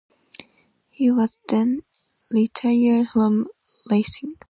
He was then retired from racing.